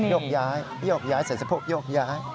ยกย้ายยกย้ายใส่สะพกยกย้าย